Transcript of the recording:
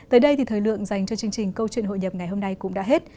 tới đây thì thời lượng dành cho chương trình câu chuyện hội nhập ngày hôm nay cũng đã hết